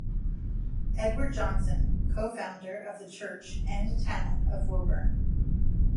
Edward Johnson co-founder of the church and town of Woburn.